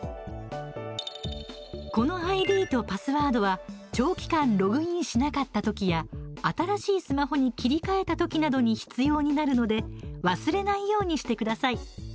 このＩＤとパスワードは長期間ログインしなかったときや新しいスマホに切り替えたときなどに必要になるので忘れないようにしてください。